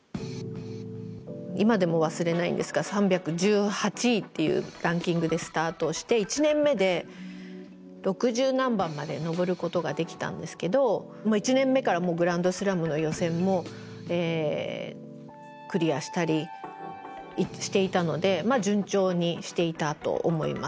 今でも忘れないんですが３１８位っていうランキングでスタートして１年目で六十何番まで上ることができたんですけど１年目からグランドスラムの予選もクリアしたりしていたのでまあ順調にしていたと思います。